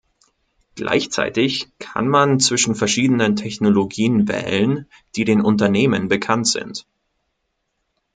Gleichzeitig kann man zwischen verschiedenen Technologien wählen, die den Unternehmen bekannt sind.